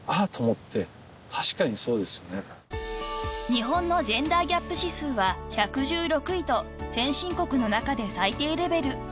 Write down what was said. ［日本のジェンダーギャップ指数は１１６位と先進国の中で最低レベル］